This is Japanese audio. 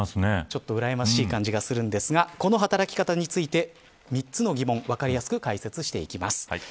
ちょっとうらやましい感じがするんですがこの働き方について３つの疑問をわかりやすく解説していきます。